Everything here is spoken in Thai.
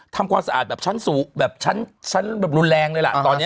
ทำความสะอาดแบบชั้นสูงแบบชั้นแบบรุนแรงเลยล่ะตอนนี้